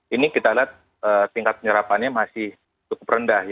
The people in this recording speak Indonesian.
ini kita lihat tingkat penyerapannya masih cukup rendah